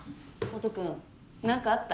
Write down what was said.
音くん何かあった？